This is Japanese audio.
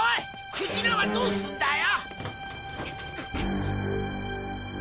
クジラはどうすんだよ！